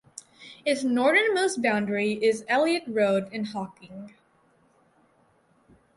Its northernmost boundary is Elliot Road in Hocking.